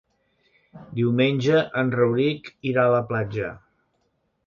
Diumenge en Rauric irà a la platja.